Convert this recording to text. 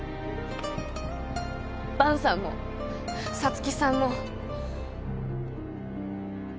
萬さんも五月さんも。